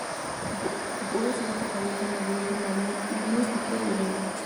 Compuso asimismo odas a la Virgen María, himnos y panegíricos.